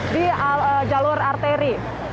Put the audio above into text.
di jalur arteri